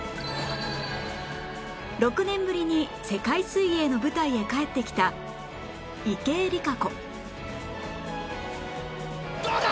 ６年ぶりに世界水泳の舞台へ帰ってきた池江璃花子どうだ！？